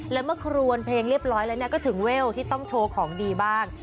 และเมื่อครวนเพลงเรียบร้อยแล้วก็ถึงเวลที่ต้องโชว์ของดีบ้าง